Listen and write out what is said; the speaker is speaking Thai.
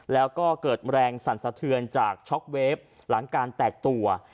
แล้วก็เกิดแรงสั่นสะเทือนจากช็อกเวฟหลังการแตกตัว